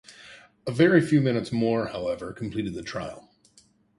A very few minutes more, however, completed the trial.